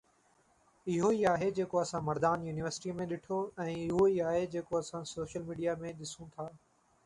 اهو ئي آهي جيڪو اسان مردان يونيورسٽي ۾ ڏٺو ۽ اهو ئي آهي جيڪو اسان سوشل ميڊيا ۾ ڏسون ٿا.